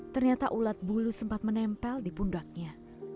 ternyata ulat bulu sempat menempel di pundaknya